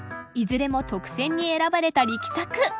いずれも特選に選ばれた力作。